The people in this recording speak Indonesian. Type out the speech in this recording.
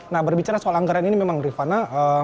nah berbicara soal anggaran ini memang rifana